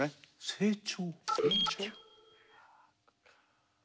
成長？